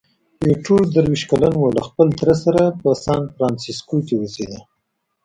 ایټور درویشت کلن وو، له خپل تره سره په سانفرانسیسکو کې اوسېده.